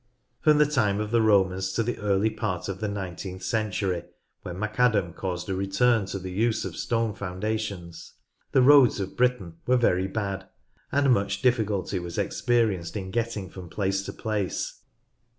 From the time of the Romans to the early part of the nineteenth century, when McAdam caused a return to the use of stone foundations, the roads of Britain were very bad, and much difficulty was experienced in getting 144 NORTH LANCASHIRE from place to place.